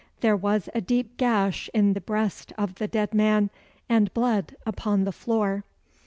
There was a deep gash in the breast of the dead man, and blood upon the floor.